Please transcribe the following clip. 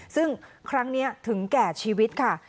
ซึ่งครั้งนี้ถึงแก่ชีวิตค่ะ